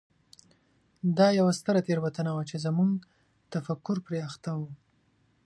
دا یوه ستره تېروتنه وه چې زموږ تفکر پرې اخته و.